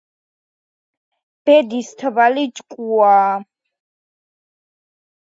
ბედის თვალი ჭკუაა